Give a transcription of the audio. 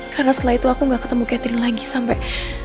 karena setelah itu aku gak ketemu catherine lagi sampai